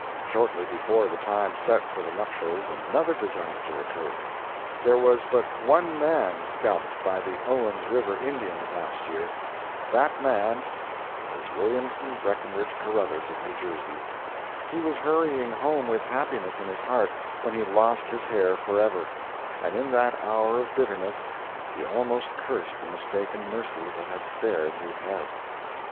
Shortly before the time set for the nuptials another disaster occurred. There was but one man scalped by the Owens River Indians last year. That man was Williamson Breckinridge Caruthers of New Jersey. He was hurrying home with happiness in his heart, when he lost his hair forever, and in that hour of bitterness he almost cursed the mistaken mercy that had spared his head.